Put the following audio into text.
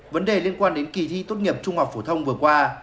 vấn đề liên quan đến kỳ thi tốt nghiệp trung học phổ thông vừa qua